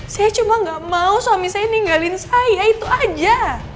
saya cuma gak mau suami saya ninggalin saya itu aja